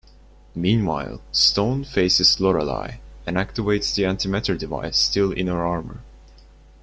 Meanwhile, Stone faces Lorelei, and activates the anti-matter device still in her armour.